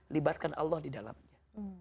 libatkan allah di dalamnya